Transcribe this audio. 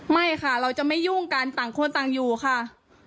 ไม่ค่ะเราจะไม่ยุ่งกันต่างคนต่างอยู่ค่ะ